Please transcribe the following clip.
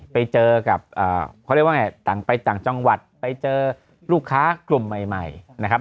ไปเจอกับต่างจังหวัดไปเจอลูกค้ากลุ่มใหม่